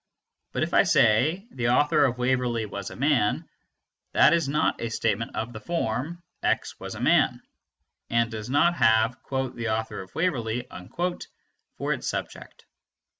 But if I say "the author of Waverley was a man," that is not a statement of the form "x was a man," and does not have "the author of Waverley" for its subject.